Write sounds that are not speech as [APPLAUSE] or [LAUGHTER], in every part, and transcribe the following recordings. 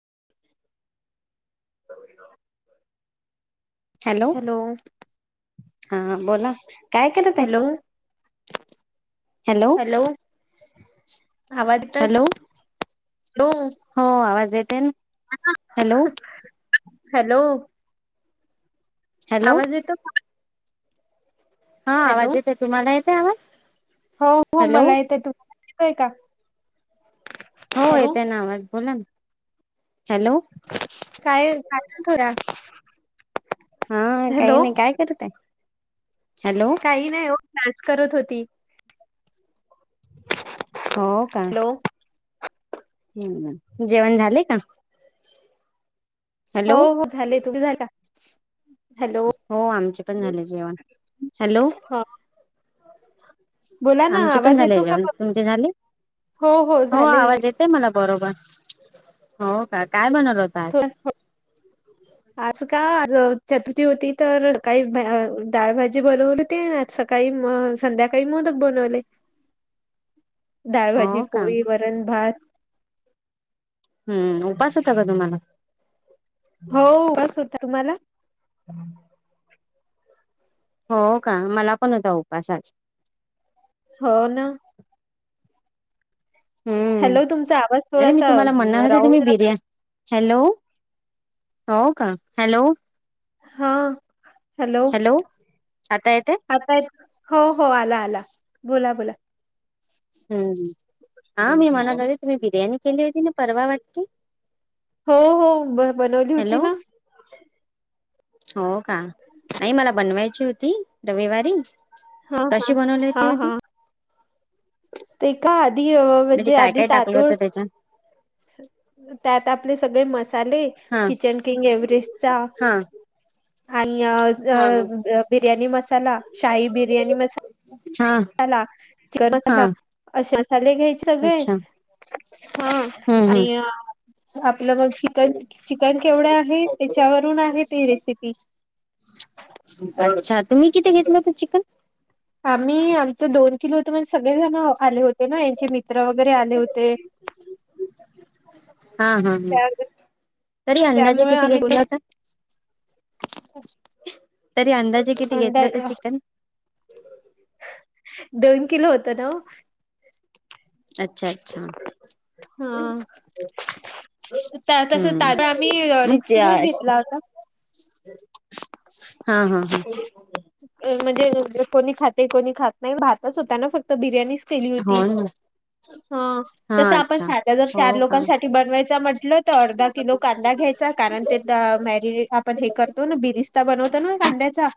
[UNINTELLIGIBLE] Hello. हा बोला काय करत आहे. Hello hello! आवाज येतोय का? हॅलो हॅलो हो आवाज येते ना. हॅलो. हॅलो. हॅलो आवाज येतो? हा हॅलो आवाज येत आहे. तुम्हाला येत आहे आवाज? हो हो हॅलो मला येतय तुम्हाला येतय का. हो हॅलो येत आहे ना आवाज बोला ना. हॅलो काय कायल थोड्या. हा काही नाही काय करताय? काही नाही [UNINTELLIGIBLE] करत होती. हो का. हॅलो हम्! जेवण झाले का? हो हॅलो हो झाले. तुमचं झाले का? हो आमचे पण झाले जेवण. हॅलो. हा बोला ना आमचे पण आवाज झाले येतो का जेवण. बघ तुमचे झाले? हो हो झाले आवाज झाले येतय मला बरोबर हो का काय बन आज का? चतुर्थी होती तर काही डाळभजी बनवली ना सकाळी संध्याका काही मोदक बनवले. [UNINTELLIGIBLE] डाळभजी, हो का पोळी, वरण, भात. हम्म! उपवास होता का तुम्हाला? हो, उपवास होता तुम्हाला? हम्म! हो का मला पण होता उपवास आज. हो ना. हम्म! हॅलो तुमचा आवाज अरे मी थोडासा तुम्हाला म्हणणार राहू तुम्ही ब्रियानी हॅलो हो का हॅलो. हा हॅलो आता येते आवाज [UNINTELLIGIBLE] हो हो आला आला बोला बोला. हम् हा मी म्हणत होते तुम्ही बिर्याणी केली होती ना परवा वाटते. हो हो ब बनवली होती हॅलो ना. हो का नाही मला बनवायची होती रविवारीच. हा हा कशी हा बनवलीती आ हा ती? हे वो म्हणजे आधी काय आधी काय टाकलं तादुंळ होतं त्याच्यात त्यात आपले सगळे मसाले हा किचन किंग एव्हरेस्टचा हा आणि हा बिर्याणी मसा त्याला शाही बिर्याणी हा मसाला हा चिकनला अशा ले घ्यायची सगळे अच्छा हा हम्म हम्म आणि आप मग चिकन चिकन केवढे आहे त्याच्यावरून आहे त रेसिपी ह तुम्ही किथे घेतलं होत चिकन आम्ही आमचं दोन किलो होतो म्हणजे सगळेजण आले होते ना यांचे मित्र वगैरे आले होते हा हा ह तरी अंदाजे त्यामुळे किती आम्ही घेतलं होत तरी अंदाजे किती घेतलं होत अंदाज चिकन दोन किलो होत ना अच्छा अच्छा हा तस हम्म तादा आम्ही मग लॉरीज जे किनून घेतला होता हा हा हा म्हणजे कोणी खाते कोणी खात नाही भातच होता ना फक्त बिर्याणीच केली हो होती ना हा हा तस आपण अच्छा साध्या जर हो चार का लोकांसाठी बनवायचा म्हटलं तर अर्धा किलो कांदा घ्या तेच कारण ते मॅरीज आपण हे करतो ना इंस्टा बनवतो ना ह कांद्याचा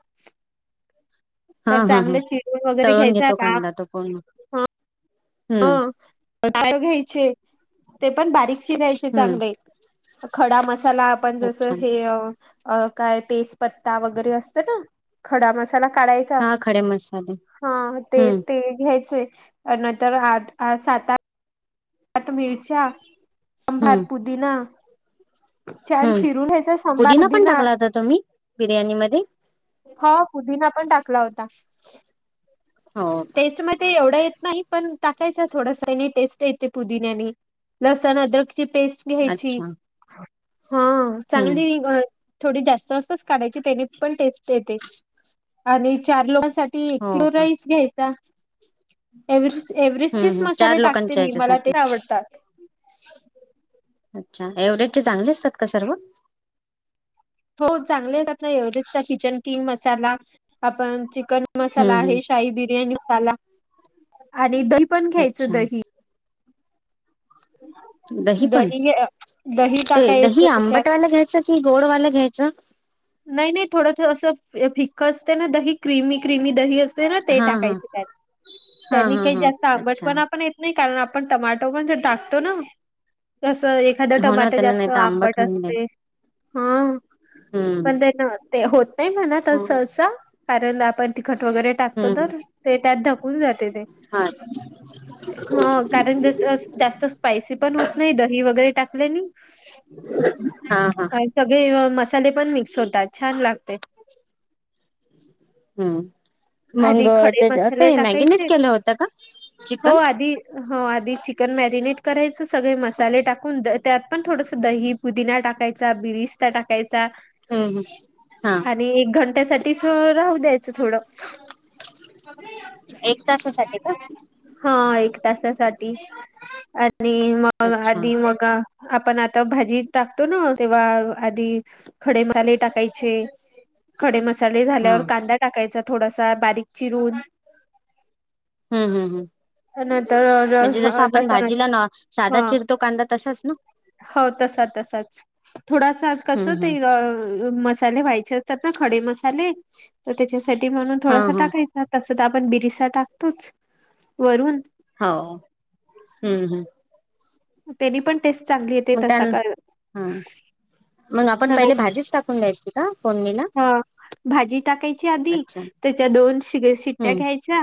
हा तर हा हा चांगले चिरव वगैरे तळून घ्यायच घेतो का कांदा तो पूर्ण हो हम्म हाय घ्यायचे ते पण बारीक य हम्म चांगले खडा मसाला आपण जस अच्छा हे अ काय तेजपत्ता वगैरे असत ना खडाम ला काढायचा हा खडे मसाले हा ते हम्म ते घ्यायचे तर आठ सात आठ हट मिरच्या संभार हम्म पुदीना हम्म पुदीना पण पुदिना टाकला होता तुम्ही बिर्याणी मध्ये हा पुुदीना पण टाकला होता हो का टेस्ट मग ते एवढं नाही पण टाकायच थोडस टेस्ट येते पुदिन्याने लसण अदक ची पेस्ट घ्यायची अच्छा हा हम्म चांगली थोडी जास्त असत काढायची त्यानी पण टेस्ट येते आणि चार लोक याती हो किलो का राईस घ्यायचा्ह एव्हेरेस् हम्म चेच हम्म चार मसाले टाकते लोकांच्या मी मला याच्यासाठी ते आवडतात अच्छा एव्हरेजचे चांगले असतात का सर्व हो चांगले ना एव्हेरेजचा किचन किंग मसाला आपण चिकन कन मसाला हम्म हम्म आहे शाही बिर्याणी साला आणि दही पण घ्यायचं अच्छा दही दही पण दही ते दही टाकायचं त्याच्यात आंबटवाला घ्यायचं. की गोडवाला घ्यायचं. नाही नाही थोडं असं फिक्क असतं ना दही क्र्रीमी क्र्रीमी दही अस. ते हा हा टाकायच त्यात हा त्यांनी हा काही हा जास्त अच्छा आंबटपणा पण येत नाही. कारण आपण टमाॅटो पण टाकतो ना. कसं एखादं हो ना टमाट त्यांना नाही जास्त तर आंबट होऊन जाईल असते हा. हम्म पण ना ते होत नाही म्हणा हो तसं असं कारण आपण. खट वगैरे टाकतो हम्म तर ते त्यात धकून जाते ते. हा ह कारण जास्त स्पायसी पण होत नाही दही वगैरे टाक. हा हा. आणि सगळे मसाले पण मिक्स होतात छान लागते. हम्म. मग आधी खडे मसाले ते मॅगिनेट टाकायचे केलं होत का चिकन हो. हो आधी चिकन मॅरिनेट करायचं सगळे मसाले टाकून त्यात पण थोडस दही पुदिना टाकायचा. बिरिता टाकायचा. हम्म हम्म हा आता एक घंट्या साठी राहू द्यायचं थोडं. एक तासासाठी का [INAUDIBLE] हा एक तसासाठी. आणि मग अच्छा आधी मग. आपण आता भाजी टाकतो ना तेव्हा आधी खडे मसाले टाकायचे. खडे मसाले हा झाल्यावर हम्म कांदा टाकायचा थोडासा बारीक चिरून. हम्म हम्म हम्म. नंतर म्हणजे जस आपण लसण भाजीला न साधा हा चिरतो कांदा तसाच ना हो. हो तसा तसाच थोडासा कसे हम्म ते हम्म मसाले व्हायचे. खडे मसाले तर त्याच्यासाठी म्हणून थोडसा हा टाकायच त. तर आपण बिरसा टाकतोचं वरून. हो हम्म हम्म्. त्यानी पण टेस्ट चांगली येते त्या तसा कर. हा मग आहे ना. हा भाजी टाकायची आधी त्याच्या दोन शिट्ट्या हम्म घ्यायच्या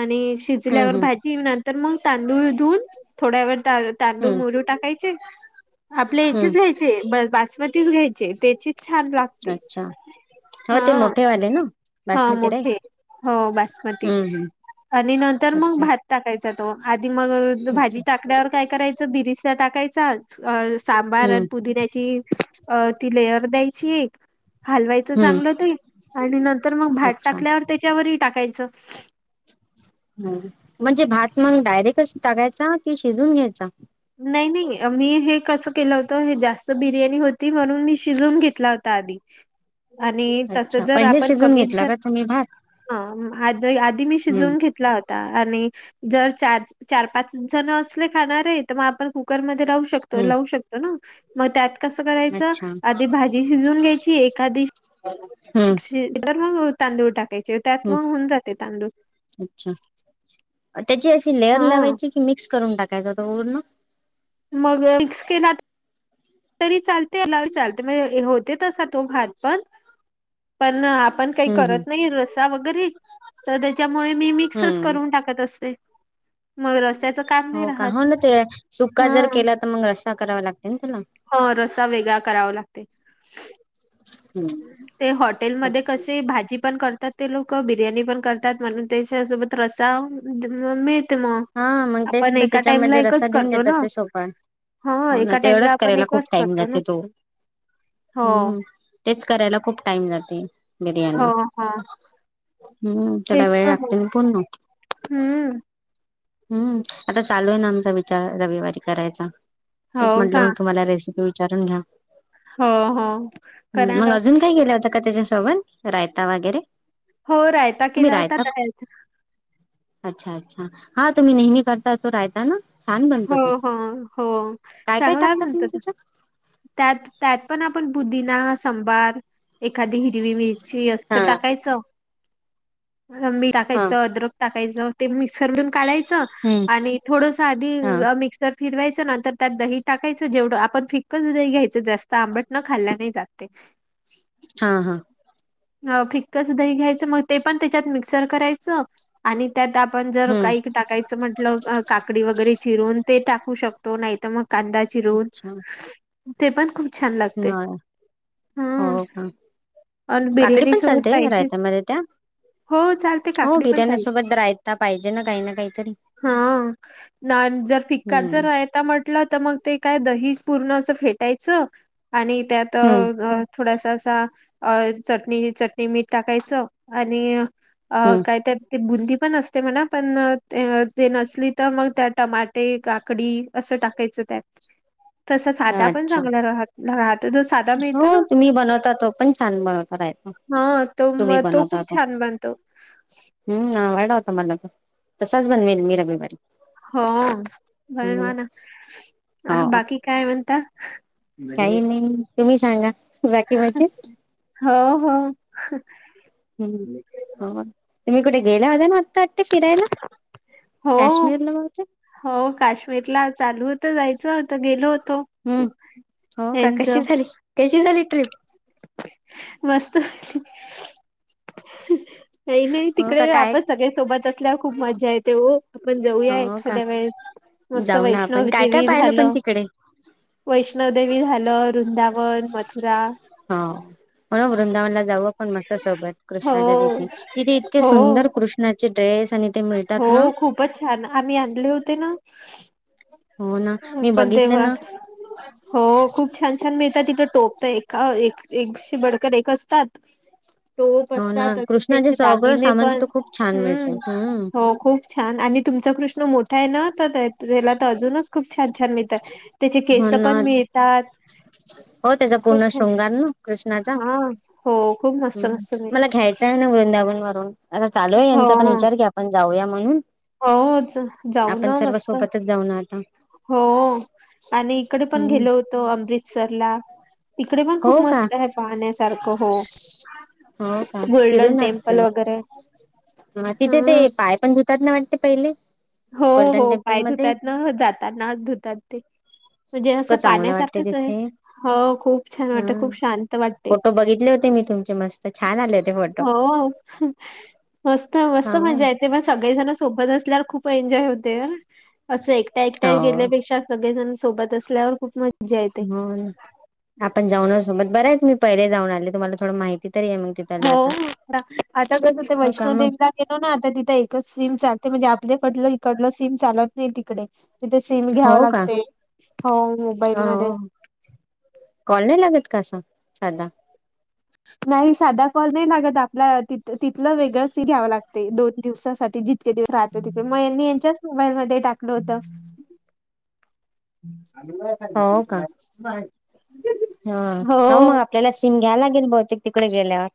आणि हम्म शिजल्याकि. हम्म भाजी तर मग तांदूळ. थोड्या व हम्म तांदूळमोजून टाकायचे आपल्या याचेच हम्म घ्यायचेबास. तीचं घ्यायचे त्याचीच छान लागते. अच्छा हो ते हा मोठेवाले ना हा बासमती मोठे राईस. हो बासमती हम्म हम्म आणि नंतर मग अच्छा भात टाकायचं. आधी मग भाजी अच्छा टाकण्यावर काय करायचं बिरस टाकायचं. सांबार आणि हम्म पुदिन्याची अ ती लेअर दयाची. हलवायचं हम्म चांगलं ते आणि नंतर मग भात अच्छा टाकल्यावर त्याच्यावरही टाकायचं. ह म्हणजे भात मग डायरेक्ट टाकायचा कि शिजून घ्यायचा. नाही नाही मी हे कस केलं होतं हे जास्त बिर्याणी होती म्हणून मी शिजून घेतला होता आधी. आणि तस अच्छा जर पहिले आपण शिजून कमी. घेतला ह का तुम्ही भात आ आधी मी हम्म शिजवून घेतला होता आणि. जर चार चार पाच जण असले खाणारे तर मग आपण कुकरमध्ये. शकतो लाू हम्म शकतो ना मग त्यात. कस करायच अच्छा आधी भाजी शिजून घ्यायची एखादी. हम्म तांदूळ टाकायचे त्यात हम्म मग होऊन जाते तांदूळ. अच्छा त्याची अशी लेअर हा लावायची कि मिक्स करून टाकायचं वरण? मग मिक्स केला. तरी चालते चालते म्हणे होते तसा तो भात पण पण आ आपण काही हम्म हम्म करत नाही रसा वगैरे तर त्याच्यामुळे मी मिक्सच हम्म करून टाकत असते. मयुरशी [INAUDIBLE] हो का हो ना ते सुका जर हा. केला तर मग रस्सा करावा लागतो. ह रसा वेगळा करावा लागते. ते हॉटेलमध्ये कसे भाजी पण करतात ते लोक बिर्याणी पण करतात म्हण त्याच्या सोबत रसा मिळतो. हा मग तेच तर त्याच्यामध्ये रसा एकच देऊन करतो देतात ना ते सोपा हा हो ना एका टाइमला तेवढंच आपण करायला एकच खूप टाइम करतो ना जाते तो हो हम्म तेच. करायला खूप टाइम जाते हो बिर्याणी हो ह. त्याला तेच वेळ मग लागते ना पूर्ण. हम्म हम्म आता चालूय ना आमचा विचार रविवारी करायचा. तेचं हो म्हटलं का मगं तुम्हांला रेसिपी विचारून घ्यावी. हो हो मग कराना. अजून काही गेल्या होता का त्याच्यासोबत रायता वगैरे हो रायता तुम्ही केला होता रायता दह्याचा. अच्छा! अच्छा! हा तुम्ही नेहमी करता तो रायता ना? छान बनतो हो ते हो हो, काय काय चांगला टाकता तुम्ही म्हणत त्याच्यात त्यात त्यात पण आपणं पुदिना सांबार एखादी हिरवी मिरची हा असं टाकायचं. लंबी हा टाकायचं अद्रक टाकायचं ते मिक्सर मधून काढायचं हम्म आणि थोडसं ती हा मिक्सर फिरवायचं ना तर त्यात दही टाकायचं जेवढं आपणं थिक्कच दही घ्यायचं जास्तं आंबट न खाल्ल नाही जातं ते. हा हा हा फिक्कचं दही घ्यायचं मग ते पण त्याच्यात मिक्सर करायचं आणि त्यात आपणं जर हम्म काही टाकायचं म्हटलं काकडी वगैरे चिरून ते टाकू शकतो नाहीतर मग कांदा चिरून, अच्छा ते पण खूप छान लागतंय, हम हो का काकडी बिर्याणी पण सोबत चालते पाहिजे. रायतामध्ये त्या हो चालते हो काकडी पण चालते. बिर्याणी सोबत रायता पाहिजे ना काही ना काहीतरी. हा, रा जर फिक्काचं जर हम्म रायता म्हटलं तर मगं ते काय दही ही पूर्ण असं फेटायचं, आणि त्यात हम्म अ थोडासा असा चटणी चटणी मीठ टाकायचं आणि हम्म काय त्यात ते बुंदी पण असते म्हणा पण ते नसली तर मग त्या टमाटे, काकडी असं टाकायच. त्यात, तसा साधा पण अच्छा चांगला राह राह हो तुम्ही बनवता तो पण छान बरोबर ये, हा तो तुम्ही म तो बनवता खूप आ छान बनतो वेळ मला पण, तसाचं बनवेल मी रविवारी हो हम्म बनवा ना, हो बाकी काय म्हणता? काही नाही तुम्ही सांगा, बाकी म्हणजे? हो हो हम्म हो, तुम्ही कुठे गेला होता ना आत्ता वाटत फिरायला? हो काश्मीर ला बहुतेक. हो काश्मीरला चालू होतं जायचं तर गेलो होतो. हम्म हो का यांच कशी झाली कशी झाली ट्रीप? मस्त! ये नाही हो का तिकडे काय आपणं सगळे सोबत असल्यावर खूप मज्जा येते ओ. आपणं जाऊया हो का एखाद्या वेळेस, मस्त जाऊ ना आपण काय काय वैष्णवदेवी पाहिलं पण ह्याला. तिकडे वैष्णवदेवी झालं वृंदावन, मथुरा आपणं वृंदावनला जाऊ. मस्त सोबत, हो कृष्णाच्या तिथे तिथे इतके हो सुंदर कृष्णाचे ड्रेस तिथे मिळतात ना‌. हा आम्ही आणले होते ना‌ हो ना मी पण बघितले तेव्हा, ना हो खूप छान छान मिळ तिथं टोप तर एक एकसे बडकर एक असतात. टोप हो ना असतात कृष्णाचे त्यांचे सगळं दागिने सामान पण, तिथं खूप छान हम्म मिळते हो खूप छान आणि तुमचा कृष्ण मोठा आहे ना तर त्याला तर अजूनच खूप छान छान मिळतातं, त्याचे हो केस ना पण मिळतात. हो त्याचा खूप पूर्ण छान शृंगार ना कृष्ण चा, छान हा हो खूप मस्त मस्त मला मिळतात. घ्यायचा आहे ना वृंदावन वरून. आता चालू आहे यांचा पण विचार की आपण जाऊया म्हणून. होच जाऊ आपण ना सर्व मस्त. सोबतच जाऊ ना आता हो आणि इकड पण हम्म गेलो होतो आम्रीतसरला तिकडे पण हो खूप का मस्त आहे पाहण्यासारखं हो हो का गोल्डन फिरून टेम्पल वगैरे तिथे ते हा पाय पण ज नाही वाटते पहिली [UNINTELLIGIBLE] हो हो काय धुतात ना जातात नाच धुतात ते म्हणजे असं इतकं चांगलं वाटते पाण्यासारखंच आहे तिथे हो खूप खूप छान हा वाटते खूप शांत वाटते फोटो बघितले होते मी तुमचे मस्त छान आले होते फोटो हो मस्त हा मस्त मजा हो येते पण सगळेजण सोब असल्या खूप एन्जॉय होते अस एकट एकट्या गेल्यापेक्षा सगळेजण सोबत असल्यावर खूप मज हो [UNINTELLIGIBLE] आपण जाऊन सोबत बरं आहे तुम्ही मी पहिले जाऊन आले तुम्हाला थोडं माहिती तरी आहे मग तिथला हो आता. आता कसं ते हो का मग. वैष्णोदेवीला गेलो ना आता तिथं एकच सीम चालते म्हणजे पडलं [UNINTELLIGIBLE] इकडलं सीम चालत नाही तिकडे तिथे सिम घ्याव हो का? लागते हो मोबाईल मध्ये हो. कसा साधदा नाही साधा फल नाही लागत आपल्या त तिथलं वेगळंच घ्यावं लागते दोन दिवसासाठी जी इतके दिवस राहतो तिकडे मगनी [UNINTELLIGIBLE] यांच्याच मोबाईल मध्ये टाकलं होत [UNINTELLIGIBLE] हो का हा हो मग आपल्याला सिम घ्यायला गेल बहुतेक तिकडे गेल्यावर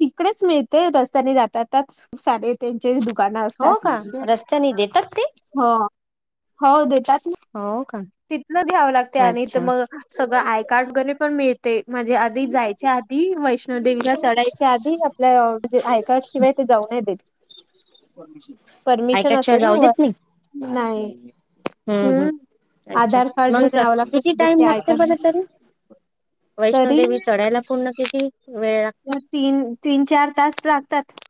तिकडेच मिळते रस्त्याने जातातच सारे त्यांची दुकानवस्था हो का? असली रस्त्याने देतात ते? हो हो हो देतात हो का? तिथलं घ्यावं लागते आणि तर अच्छा मग सगळं आय कार्ड वगैरे [UNINTELLIGIBLE] पण मिळ ते म्हणजे आधी जायच्या आधी वैष्णोदेवीला चढायच्या आधी आपल्याे [UNINTELLIGIBLE] आयकाड शिवाय जाऊ नाय देत परमिशन ऐकटशिवाय असेल जाऊ देत नाही. नाही हम्म अच्छा आधार कार्ड मग न्यावं लागते किती सोबत टाइम ते आय लागते कार्ड बर तरी तरी वैष्णोदेवी चढायला पूर्ण किती वेळ लागते? तीन तीन चार तास लागतात